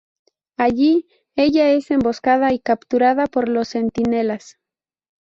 Allí, ella es emboscada y capturada por los Centinelas.